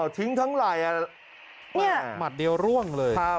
ทิ้งทั้งไหล่หมัดเดียวร่วงเลย